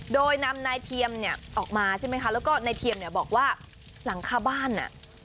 โดยนำนายเทียมเนี่ยออกมาใช่ไหมคะแล้วก็นายเทียมเนี่ยบอกว่าหลังคาบ้านอ่ะ